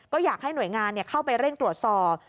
ก็อยากให้หน่วยงานเข้าไปเร่งตรวจสอบ